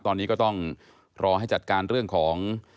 ตอนนี้ก็ต้องรอให้จัดการเรื่องของ